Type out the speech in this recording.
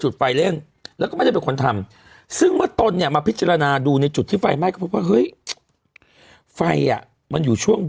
อืมอยู่ที่สูง